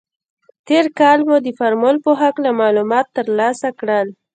تېر کال مو د فورمول په هکله معلومات تر لاسه کړل.